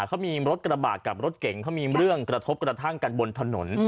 เขามีรถกระบาดกับรถเก่งเขามีเรื่องกระทบกระทั่งกันบนถนน